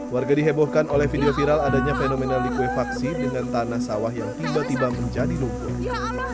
warga dihebohkan oleh video viral adanya fenomena likuifaksi dengan tanah sawah yang tiba tiba menjadi lumpuh